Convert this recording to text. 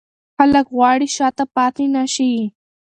خلک غواړي شاته پاتې نه شي.